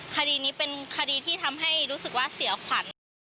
คดีนี้เป็นคดีที่ทำให้รู้สึกว่าเสียขวัญ